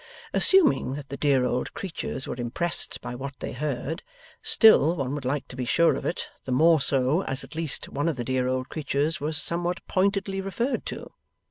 Assuming that the dear old creatures were impressed by what they heard, still one would like to be sure of it, the more so, as at least one of the dear old creatures was somewhat pointedly referred to.